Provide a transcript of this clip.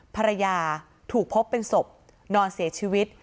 ภรรยาถูกพบเป็นศพนอนเสียชีวิต